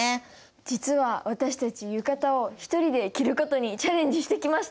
実は私たち浴衣を一人で着ることにチャレンジしてきました。